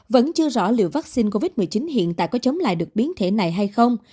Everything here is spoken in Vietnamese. vẫn chưa rõ liệu vaccine covid một mươi chín hiện tại có chống lại được biến thể này hay không